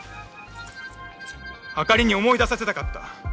朱莉に思い出させたかった。